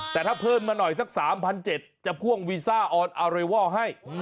แต่ถ้าเพิ่มมาหน่อยสัก๓๗๐๐จะพ่วงวีซ่าออนอาเรวอลให้